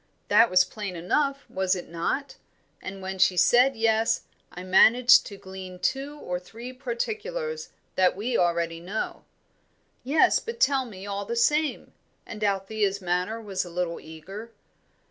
That was plain enough, was it not? And when she said yes, I managed to glean two or three particulars, that we already know." "Yes, but tell me, all the same;" and Althea's manner was a little eager.